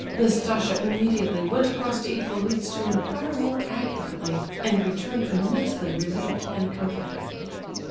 Nastasia immediately went across to Hippolyte's to inquire more accurately, and returned immensely relieved and comforted.